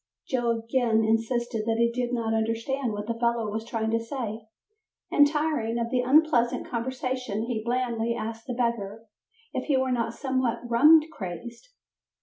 Joe again insisted that he did not understand what the fellow was trying to say, and tiring of the unpleasant conversation he blandly asked the beggar if he were not somewhat rum crazed.